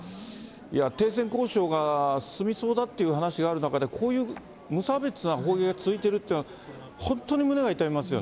いや、停戦交渉が進みそうだっていう話がある中で、こういう無差別な砲撃が続いてるっていうのは、本当に胸が痛みま